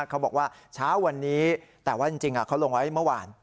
เขาบอกว่าเช้าวันนี้แต่ว่าจริงเขาลงไว้เมื่อวาน